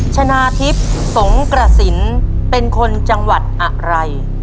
ชนะทิพย์สงกระสินเป็นคนจังหวัดอะไร